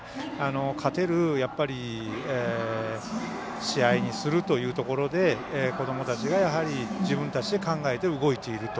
勝てる試合にするというところで子どもたちが、自分たちで考えて動いていると。